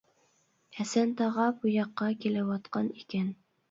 ھەسەن تاغا بۇ ياققا كېلىۋاتقان ئىكەن.